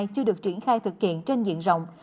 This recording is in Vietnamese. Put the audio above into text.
chưa được triển khai thực hiện trên diện rộng